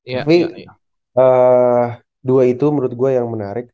tapi dua itu menurut gue yang menarik